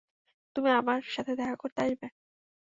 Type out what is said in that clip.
তুমি আমার সাথে দেখা করতে আসবে?